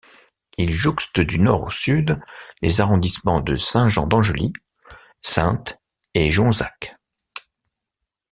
Il jouxte du nord au sud les arrondissements de Saint-Jean-d'Angély, Saintes et Jonzac.